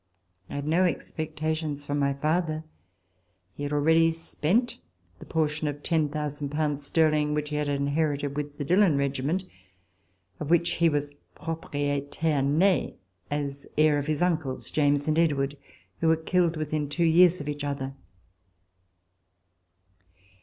I had no expecta tions from my father. He had already spent the portion of 10,000 pounds sterling which he had in herited with the Dillon Regiment, of which he was proprietaire ney as heir of his uncles James and Edward, who were killed wi thin two years of each other.